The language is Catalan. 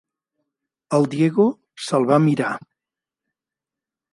El Diego se'l va mirar.